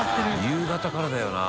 夕方からだよな。